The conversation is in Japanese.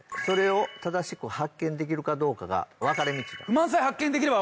それを正しく発見できるかどうかが分かれ道。